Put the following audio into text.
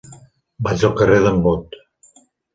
Vaig al carrer d'en Bot.